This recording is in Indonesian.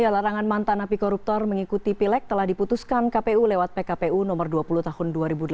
larangan mantan api koruptor mengikuti pilek telah diputuskan kpu lewat pkpu nomor dua puluh tahun dua ribu delapan belas